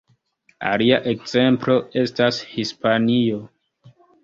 Alia ekzemplo estas Hispanio.